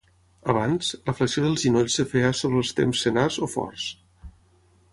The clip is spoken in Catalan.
Abans, la flexió dels genolls es feia sobre els temps senars o forts.